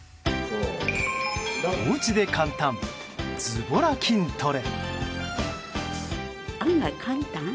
おうちで簡単ズボラ筋トレ。